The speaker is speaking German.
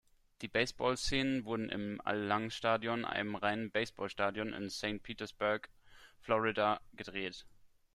Die Baseball-Szenen wurden im Al-Lang-Stadion, einem reinen Baseballstadion, in Saint Petersburg, Florida gedreht.